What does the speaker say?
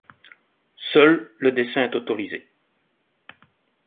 Seul, le dessin est autorisé.